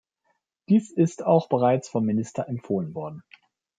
Dies ist auch bereits vom Minister empfohlen worden.